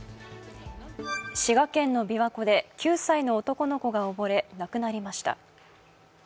滋賀県の琵琶湖で９歳の男の子が溺れ、亡くなりました。